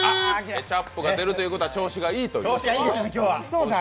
ケチャップーが出るということは調子がいいということですね。